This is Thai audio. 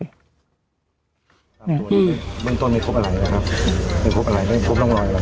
อือมึงต้นไม่พบอะไรนะครับไม่พบอะไรไม่พบน้องรอยอะไร